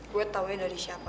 gue taunya dari siapa